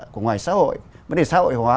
của ngoài xã hội vấn đề xã hội hóa